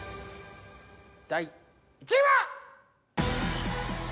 第１位は！？